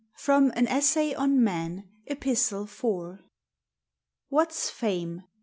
FROM "AN ESSAY ON MAN," EPISTLE IV. What 's fame ?